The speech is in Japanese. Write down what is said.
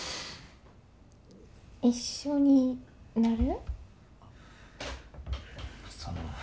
一緒になる？